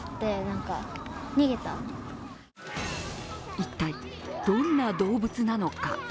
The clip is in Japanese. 一体どんな動物なのか。